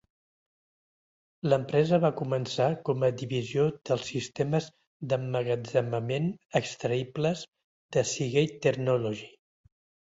L'empresa va començar com a divisió dels sistemes d'emmagatzemament extraïbles de Seagate Technology.